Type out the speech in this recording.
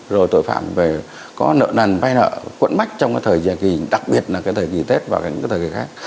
rồi tội phạm về có nợ nần vay nợ quận mách trong cái thời kỳ đặc biệt là cái thời kỳ tết và những cái thời kỳ khác